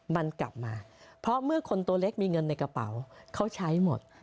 มันกลับมาเพราะเมื่อคนตัวเล็กมีเงินในกระเป๋าเขาใช้หมด